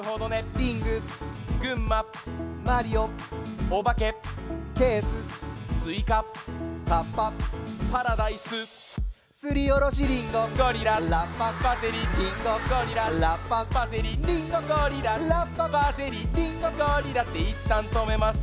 リング群馬マリオオバケケーススイカカッパパラダイスすりおろしリンゴゴリララッパパセリリンゴゴリララッパパセリリンゴゴリララッパパセリリンゴゴリラっていったんとめます